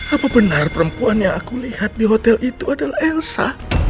apa benar perempuan yang aku lihat di hotel itu adalah elsa